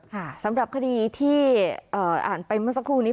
สำหรับคดีที่อ่านไปเมื่อสักครู่นี้